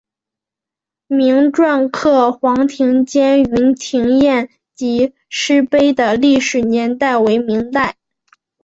明摹刻黄庭坚云亭宴集诗碑的历史年代为明代。